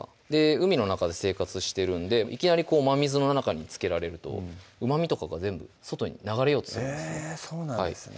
海の中で生活してるんでいきなり真水の中につけられるとうまみとかが全部外に流れようとするんですえそうなんですね